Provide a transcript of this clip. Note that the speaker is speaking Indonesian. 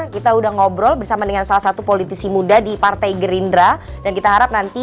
kita udah ngobrol bersama dengan salah satu politisi muda di partai gerindra dan kita harap nanti